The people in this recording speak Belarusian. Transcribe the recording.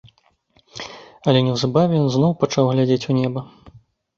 Але неўзабаве ён зноў пачаў глядзець у неба.